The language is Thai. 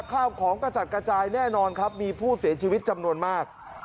ข้าวของกระจัดกระจายแน่นอนครับมีผู้เสียชีวิตจำนวนมาก